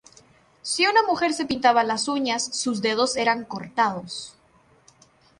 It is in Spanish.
Si una mujer se pintaba las uñas, sus dedos era cortados.